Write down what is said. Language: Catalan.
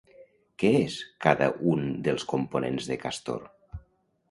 Què és cada un dels components de Castor?